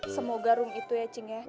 semoga rum itu ya cing ya